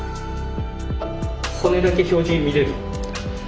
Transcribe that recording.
骨だけ表示見れる？